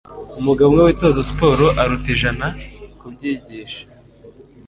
Umugabo umwe witoza siporo aruta ijana kubyigisha.